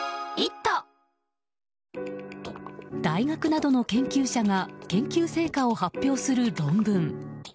大学などの研究者が研究成果を発表する論文。